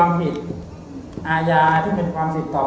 ต้องเกาะญาตินำเรียนอย่างนี้ครับ